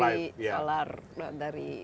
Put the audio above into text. listrik dari solar dari